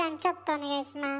お願いします。